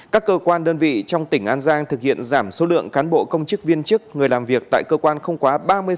các cơ quan đơn vị trong tỉnh an giang thực hiện giảm số lượng cán bộ công chức viên chức người làm việc tại cơ quan không quá ba mươi